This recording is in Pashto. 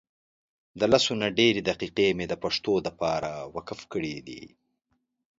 دلسونه ډیري دقیقی مي دپښتو دپاره وقف کړي دي